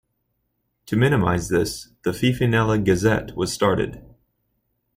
To minimize this, the "Fifinella Gazette" was started.